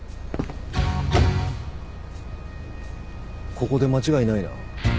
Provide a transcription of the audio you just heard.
ここで間違いないな？